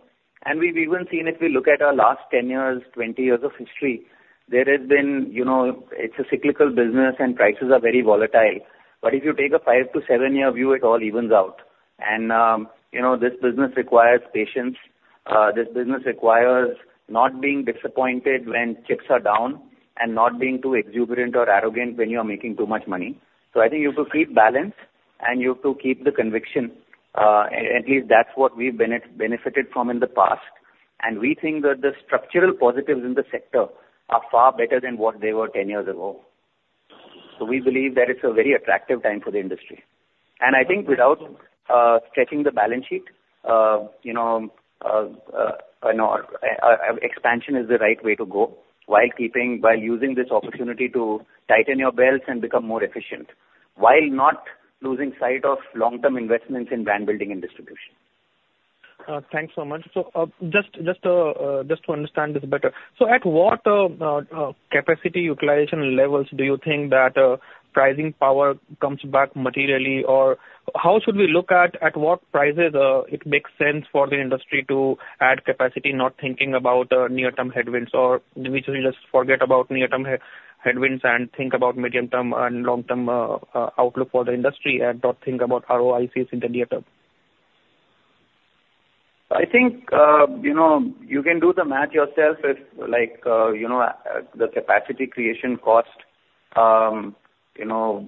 We've even seen, if we look at our last 10 years, 20 years of history, there has been, you know, it's a cyclical business and prices are very volatile. But if you take a 5-7 year view, it all evens out. You know, this business requires patience. This business requires not being disappointed when chips are down and not being too exuberant or arrogant when you are making too much money. I think you have to keep balance, and you have to keep the conviction. At least that's what we've benefited from in the past, and we think that the structural positives in the sector are far better than what they were 10 years ago. We believe that it's a very attractive time for the industry. I think without stretching the balance sheet, you know, expansion is the right way to go, while using this opportunity to tighten your belts and become more efficient, while not losing sight of long-term investments in brand building and distribution. Thanks so much. Just to understand this better: At what capacity utilization levels do you think that pricing power comes back materially? Or how should we look at what prices it makes sense for the industry to add capacity, not thinking about near-term headwinds, or we should just forget about near-term headwinds and think about medium-term and long-term outlook for the industry, and not think about ROICs in the near term? I think, you know, you can do the math yourself. If, like, you know, the capacity creation cost, you know,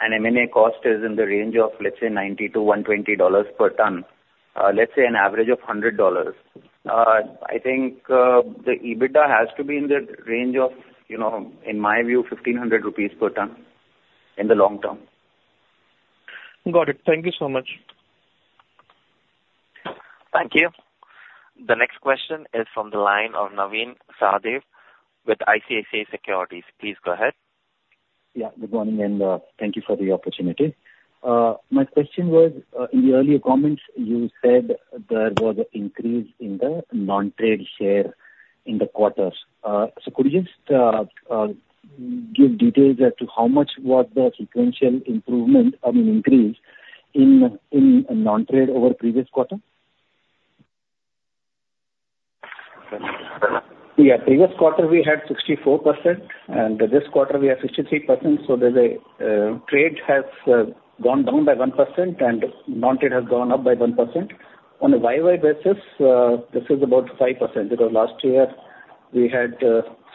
and M&A cost is in the range of, let's say, $90-$120 per ton. Let's say an average of $100. I think, the EBITDA has to be in the range of, you know, in my view, 1,500 rupees per ton in the long term. Got it. Thank you so much. Thank you. The next question is from the line of Navin Sahadeo with ICICI Securities. Please go ahead. Yeah, good morning, and thank you for the opportunity. My question was, in the earlier comments, you said there was an increase in the non-trade share in the quarters. So could you just give details as to how much was the sequential improvement, I mean, increase, in non-trade over previous quarter? Yeah, previous quarter we had 64%, and this quarter we have 63%, so trade has gone down by 1% and non-trade has gone up by 1%. On a Y-Y basis, this is about 5%, because last year we had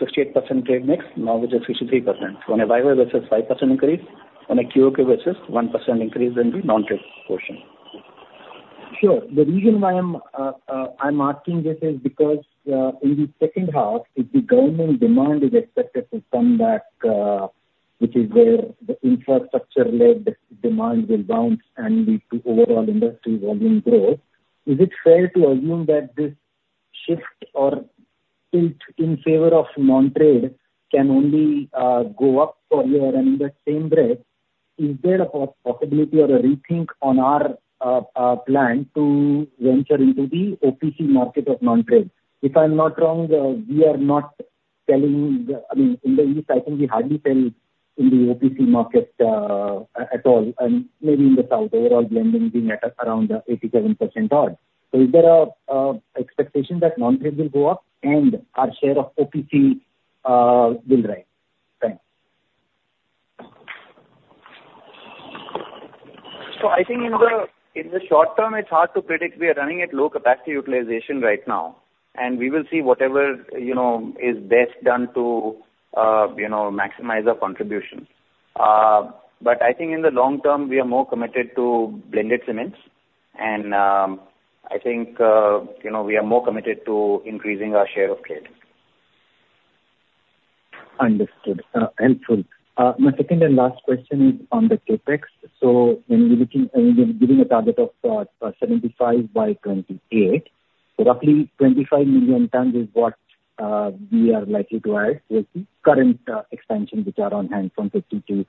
68% trade mix, now we just 63%. On a Y-Y, that's a 5% increase. On a Q-O-Q basis, 1% increase in the non-trade portion. Sure. The reason why I'm asking this is because in the second half, if the government demand is expected to come back, which is where the infrastructure-led demand will bounce and lead to overall industry volume growth, is it fair to assume that this shift or tilt in favor of non-trade can only go up for you? And in the same breath, is there a possibility or a rethink on our plan to venture into the OPC market of non-trade? If I'm not wrong, we are not selling, I mean, in the East, I think we hardly sell in the OPC market at all, and maybe in the South, overall blending being at around 87% odd. So is there an expectation that non-trade will go up and our share of OPC will rise? Thanks. So I think in the short term, it's hard to predict. We are running at low capacity utilization right now, and we will see whatever, you know, is best done to you know, maximize our contribution. But I think in the long term, we are more committed to blended cements. And I think you know, we are more committed to increasing our share of trade. Understood. Helpful. My second and last question is on the CapEx. So when you were giving a target of 75 by 2028, roughly 25 million tons is what we are likely to add with the current expansion which are on hand from 50 to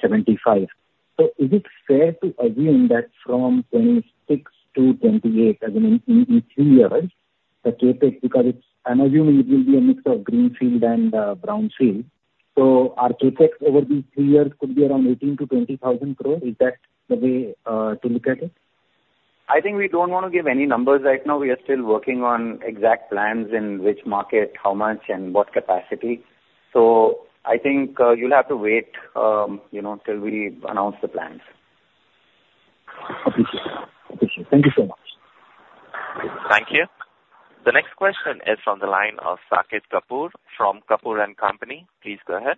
75. So is it fair to assume that from 2026-2028, as in, in three years, the CapEx, because it's, I'm assuming it will be a mix of greenfield and brownfield, so our CapEx over these three years could be around 18,000-20,000 crore. Is that the way to look at it? I think we don't want to give any numbers right now. We are still working on exact plans in which market, how much, and what capacity. So I think, you'll have to wait, you know, till we announce the plans. Appreciate. Appreciate. Thank you so much. Thank you. The next question is on the line of Saket Kapoor from Kapoor & Company. Please go ahead.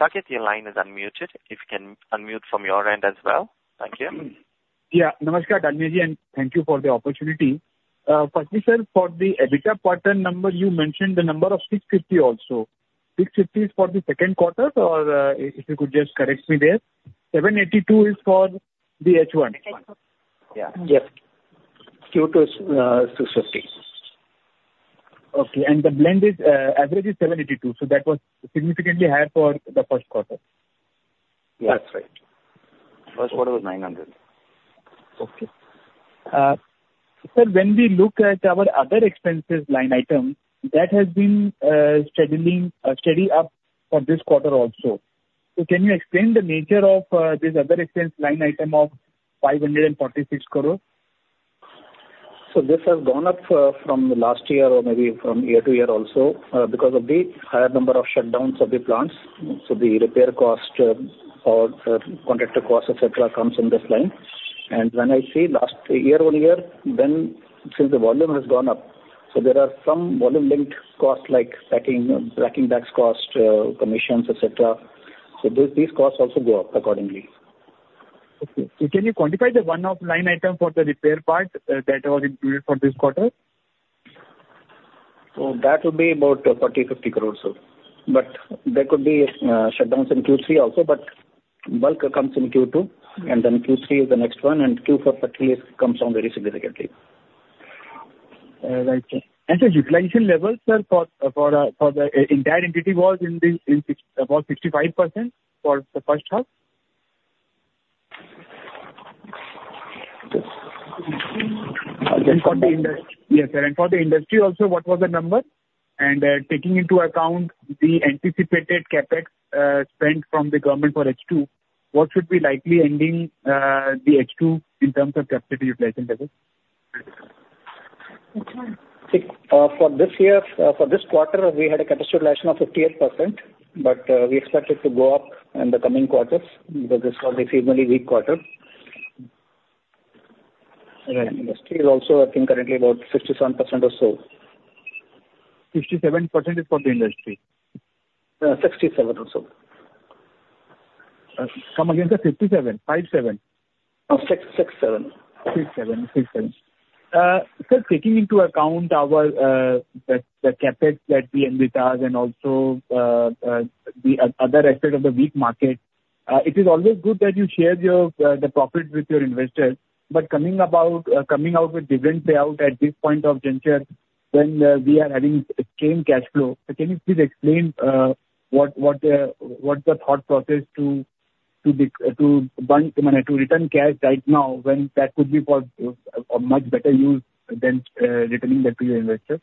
Saket, your line is unmuted, if you can unmute from your end as well. Thank you. Yeah. Namaskar, Dhanyavad, and thank you for the opportunity. Firstly, sir, for the EBITDA pattern number, you mentioned the number of 650 also. 650 is for the second quarter, or if you could just correct me there. 782 is for the H1. Yeah. Yes. Q2 is 650. Okay, and the blended average is 782, so that was significantly higher for the first quarter. That's right. First quarter was 900. Okay. So when we look at our other expenses line item, that has been showing a steady up for this quarter also. So can you explain the nature of this other expense line item of 546 crore? So this has gone up, from the last year or maybe from year to year also, because of the higher number of shutdowns of the plants. So the repair cost, or contractor cost, et cetera, comes in this line. And when I see last year over year, then since the volume has gone up, so there are some volume-linked costs, like packing, packing bags cost, commissions, etc, so these costs also go up accordingly. Okay, so can you quantify the one-off line item for the repair part that was included for this quarter? So that would be about 40-50 crores. But there could be shutdowns in Q3 also, but bulk comes in Q2, and then Q3 is the next one, and Q4 particularly comes down very significantly. Right. And the utilization levels are for the entire entity was in the 60s, about 65% for the first half? Yes. Yes, sir, and for the industry also, what was the number? And, taking into account the anticipated CapEx spent from the government for H2, what should be likely ending the H2 in terms of capacity utilization level? For this year, for this quarter, we had a capacity utilization of 58%, but we expect it to go up in the coming quarters because this was a seasonally weak quarter. Yeah, industry is also, I think, currently about 67% or so. 67% is for the industry?67 or so. Come again, sir. 57, five seven. No, six, six seven. Six seven, six seven. Sir, taking into account our, the, the CapEx that we undertake and also, the other effect of the weak market, it is always good that you share your, the profit with your investors. But coming out with different payout at this point of juncture when, we are having extreme cash flow, so can you please explain, what's the thought process to, to burn money, to return cash right now, when that could be for a, a much better use than, returning that to your investors?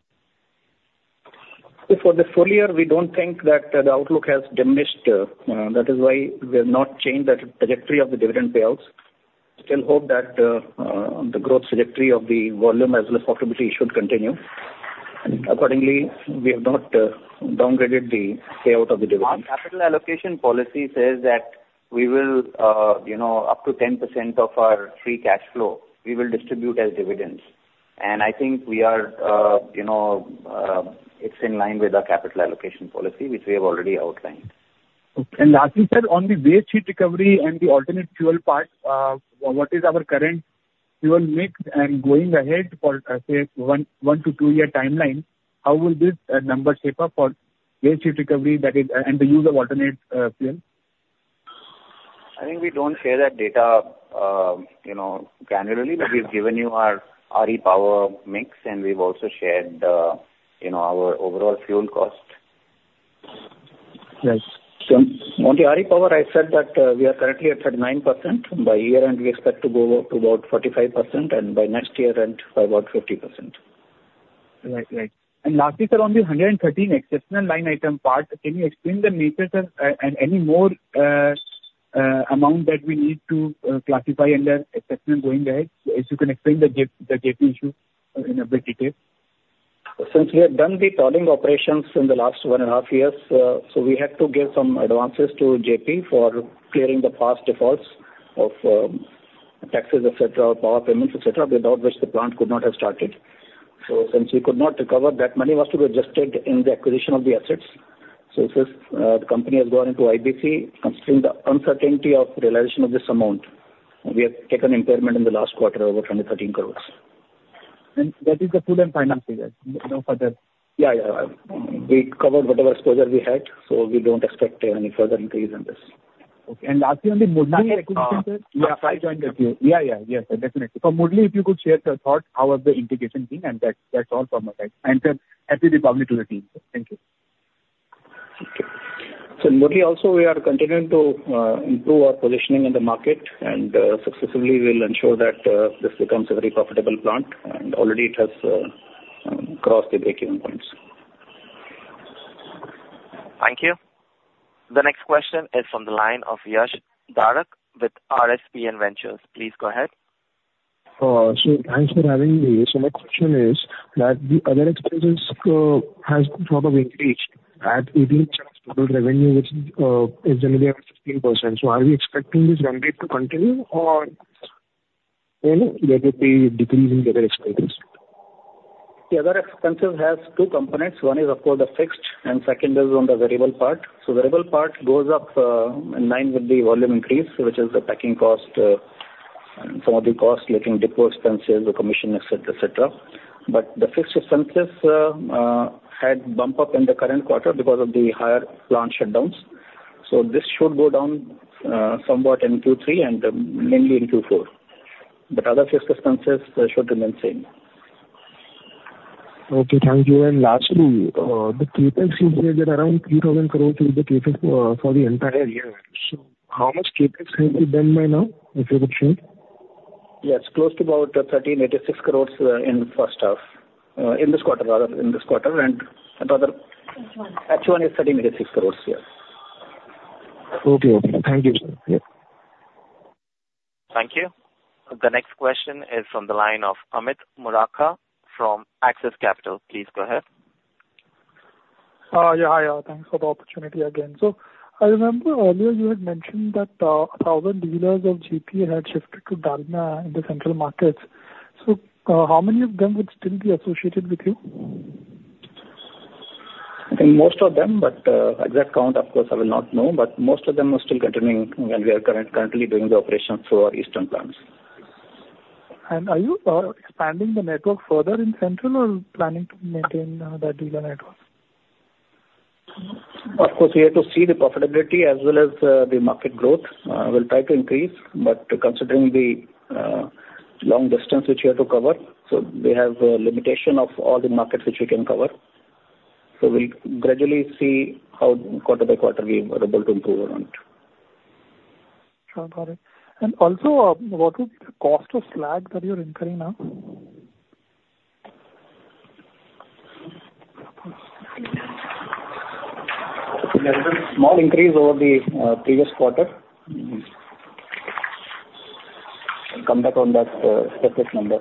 So for the full year, we don't think that the outlook has diminished. That is why we have not changed the trajectory of the dividend payouts. We still hope that the growth trajectory of the volume as well as profitability should continue. Accordingly, we have not downgraded the payout of the dividend. Our capital allocation policy says that we will, you know, up to 10% of our free cash flow, we will distribute as dividends. I think we are, you know, it's in line with our capital allocation policy, which we have already outlined. Okay. And lastly, sir, on the waste heat recovery and the alternate fuel part, what is our current fuel mix? And going ahead for, say, one to two-year timeline, how will this number shape up for waste heat recovery, that is, and the use of alternate fuel? I think we don't share that data, you know, granularly. But we've given you our, RE power mix, and we've also shared, you know, our overall fuel cost. Yes. So on the RE power, I said that, we are currently at 9%. By year-end, we expect to go up to about 45%, and by next year-end, about 50%. Right. Right. And lastly, sir, on the 113 exceptional line item part, can you explain the nature of, and any more, amount that we need to, classify under exceptional going ahead, as you can explain the JP, the JP issue in a bit detail? Since we have done the tolling operations in the last one and a half years, so we had to give some advances to JP for clearing the past defaults of, taxes, et cetera, power payments, et cetera, without which the plant could not have started. So since we could not recover that money, was to be adjusted in the acquisition of the assets. So since, the company has gone into IBC, considering the uncertainty of realization of this amount, we have taken impairment in the last quarter over 113 crores. And that is the full and final figure, no further? Yeah, yeah. We covered whatever exposure we had, so we don't expect any further increase in this. Okay. And lastly, on the Murli acquisition, sir. Uh- I'll try to join with you. Yeah, yeah. Yes, definitely. For Murli, if you could share your thoughts, how is the integration being? And that, that's all from my side. And, happy Republic Day to the team. Thank you. Okay. So Murli also, we are continuing to improve our positioning in the market, and successively we'll ensure that this becomes a very profitable plant, and already it has crossed the break-even points. Thank you. The next question is from the line of Yash Darak with RSPN Ventures. Please go ahead. So thanks for having me. So my question is that the other expenses has sort of increased at equal total revenue, which is generally at 16%. So are we expecting this mandate to continue or there will be a decrease in the other expenses? The other expenses has two components. One is, of course, the fixed, and second is on the variable part. So variable part goes up, in line with the volume increase, which is the packing cost and some of the costs, like in depot expenses or commission, etc, etc. But the fixed expenses had bumped up in the current quarter because of the higher plant shutdowns. So this should go down somewhat in Q3 and mainly in Q4. But other fixed expenses, they should remain same. Okay, thank you. And lastly, the CapEx, you said that around 3,000 crores will be CapEx for the entire year. So how much CapEx has been by now, if you could share? Yes. Close to about 1,386 crores in the first half, in this quarter, rather, in this quarter, and another- H1. H1 is 1,386 crores, yes. Okay. Okay. Thank you, sir. Yep. Thank you. The next question is from the line of Amit Murarka from Axis Capital. Please go ahead. Yeah, yeah. Thanks for the opportunity again. So I remember earlier you had mentioned that a thousand dealers of JP had shifted to Dalmia in the central markets. So, how many of them would still be associated with you? I think most of them, but exact count, of course, I will not know. But most of them are still continuing, and we are currently doing the operations through our eastern plants. Are you expanding the network further in Central or planning to maintain that dealer network? Of course, we have to see the profitability as well as the market growth. We'll try to increase, but considering the long distance which we have to cover, so we have a limitation of all the markets which we can cover, so we'll gradually see how quarter by quarter we are able to improve on it. Sure about it. And also, what is the cost of slag that you're incurring now? There is a small increase over the previous quarter. Mm-hmm. I'll come back on that specific number.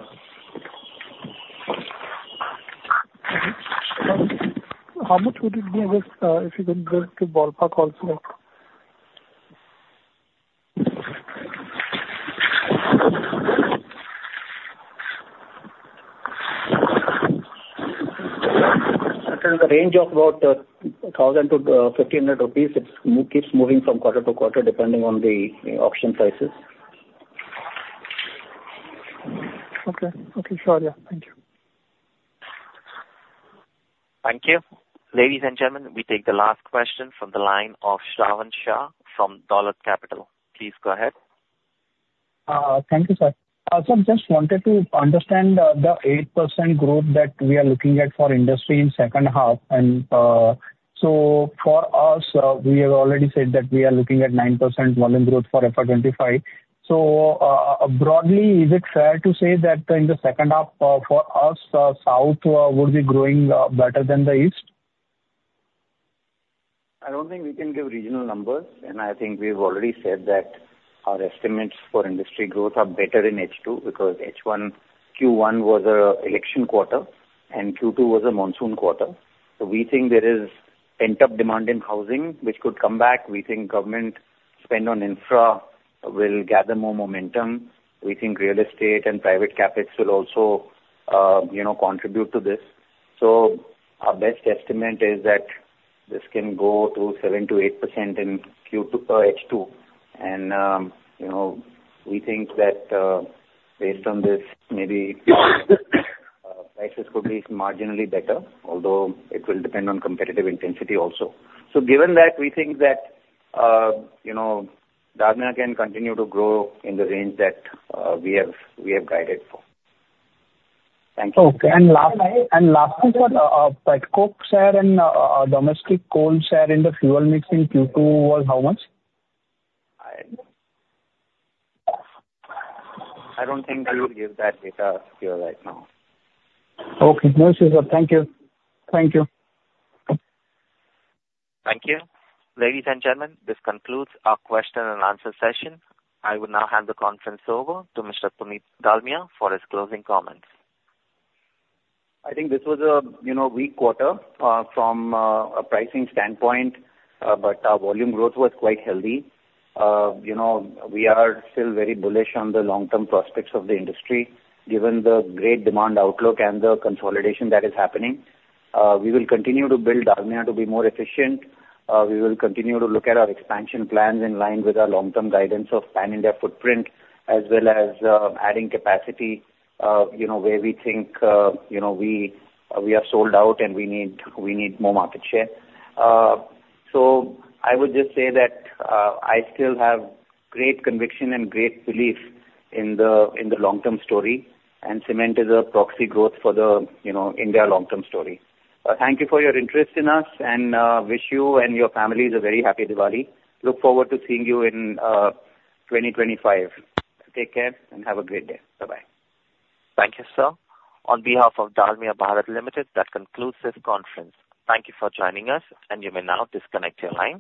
Okay. How much would it be, just, if you could give a ballpark also? It's in the range of about INR 1,000-INR 1,500. It keeps moving from quarter to quarter, depending on the auction prices. Okay. Okay. Sure, yeah. Thank you. Thank you. Ladies and gentlemen, we take the last question from the line of Shravan Shah from Dolat Capital. Please go ahead. Thank you, sir. I also just wanted to understand the 8% growth that we are looking at for industry in second half. And so for us we have already said that we are looking at 9% volume growth for FY 2025. So broadly is it fair to say that in the second half for us south will be growing better than the east? I don't think we can give regional numbers, and I think we've already said that our estimates for industry growth are better in H2, because H1, Q1 was an election quarter, and Q2 was a monsoon quarter. So we think there is pent-up demand in housing, which could come back. We think government spend on infra will gather more momentum. We think real estate and private CapEx will also, you know, contribute to this. So our best estimate is that this can go to 7%-8% in Q2, H2. And, you know, we think that, based on this, maybe, prices could be marginally better, although it will depend on competitive intensity also. So given that, we think that, you know, Dalmia can continue to grow in the range that we have guided for. Thank you. Okay. And last, and lastly, for pet coke share and domestic coal share in the fuel mix in Q2 was how much? I don't think I will give that data to you right now. Okay. No issues, sir. Thank you. Thank you. Thank you. Ladies and gentlemen, this concludes our question and answer session. I will now hand the conference over to Mr. Puneet Dalmia for his closing comments. I think this was a, you know, weak quarter, from a pricing standpoint, but our volume growth was quite healthy. You know, we are still very bullish on the long-term prospects of the industry, given the great demand outlook and the consolidation that is happening. We will continue to build Dalmia to be more efficient. We will continue to look at our expansion plans in line with our long-term guidance of pan-India footprint, as well as adding capacity, you know, where we think, you know, we are sold out, and we need more market share. So I would just say that, I still have great conviction and great belief in the long-term story, and cement is a proxy growth for the, you know, India long-term story. Thank you for your interest in us, and wish you and your families a very happy Diwali. Look forward to seeing you in 2025. Take care and have a great day. Bye-bye. Thank you, sir. On behalf of Dalmia Bharat Limited, that concludes this conference. Thank you for joining us, and you may now disconnect your line.